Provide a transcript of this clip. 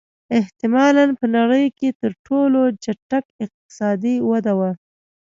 احتمالًا په نړۍ کې تر ټولو چټکه اقتصادي وده وه.